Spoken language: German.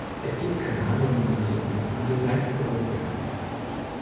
Es gibt keine anderen Markierungen an den Seiten- oder Rückwänden.